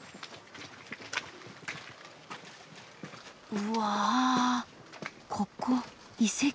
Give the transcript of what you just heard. うわぁここ遺跡。